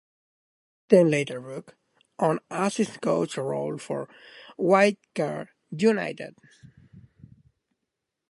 He then later took on Assistant Coach role for Waitakere United.